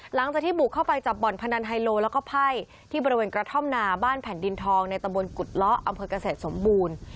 หลังจากที่บุกเข้าไปจับบ่อนพนันไฮโลแล้วก็ไพ่ที่บริเวณกระท่อมนาบ้านแผ่นดินทองในตะบนกุฎเลาะอำเภอกเกษตรสมบูรณ์